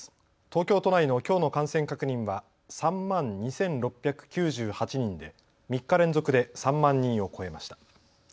東京都内のきょうの感染確認は３万２６９８人で３日連続で３万人を超えました。